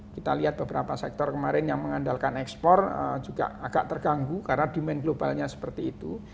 kita lihat beberapa sektor kemarin yang mengandalkan ekspor juga agak terganggu karena demand globalnya seperti itu